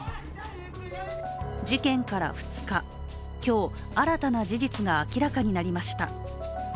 事件から２日、今日、新たな事実が明らかになりました。